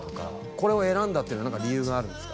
これを選んだっていうのはなんか理由があるんですか？